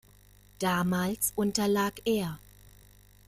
Damals unterlag er.